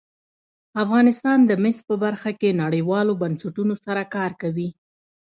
افغانستان د مس په برخه کې نړیوالو بنسټونو سره کار کوي.